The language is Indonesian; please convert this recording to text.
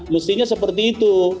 mestinya seperti itu